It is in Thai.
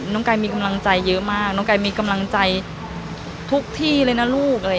กายมีกำลังใจเยอะมากน้องกายมีกำลังใจทุกที่เลยนะลูก